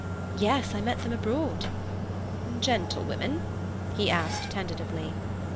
"Yes; I met them abroad." "Gentlewomen?" he asked tentatively.